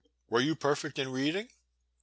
Were you perfect in reading ?